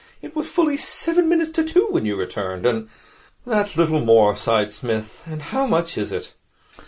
It was fully seven minutes to two when you returned, and ' 'That little more,' sighed Psmith, 'and how much is it!'